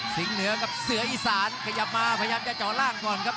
เหนือกับเสืออีสานขยับมาพยายามจะเจาะล่างก่อนครับ